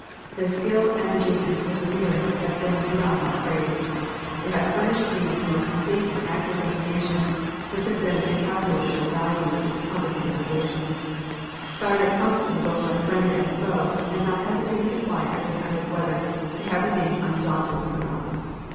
Their skill, energy, and perseverance have been beyond all praise. They have furnished me with the most complete and accurate information, which has been of incalculable value in the conduct of the operations. Fired at constantly both by friend and foe, and not hesitating to fly in every kind of weather, they have remained undaunted throughout.